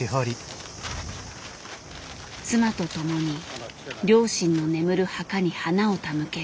妻と共に両親の眠る墓に花を手向ける。